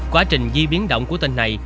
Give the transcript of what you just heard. quá trình di biến động của tên này